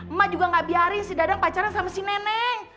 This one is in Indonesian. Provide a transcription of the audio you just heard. emak juga gak biarin si dadang pacaran sama si nenek